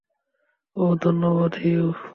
ওহ, ধন্যবাদ, হিউ।